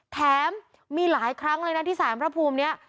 แถมมีหลายครั้งเลยนะที่สารพระภูมินี้